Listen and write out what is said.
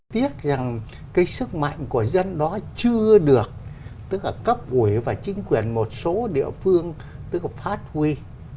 tiếc rằng cái sức mạnh của dân đó chưa được tức là cấp ủy và chính quyền một số địa phương tức là phát huy